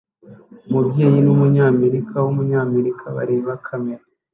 Umubyeyi numunyamerika wumunyamerika bareba kamera